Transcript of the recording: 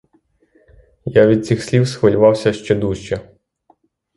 Я від цих слів схвилювався ще дужче.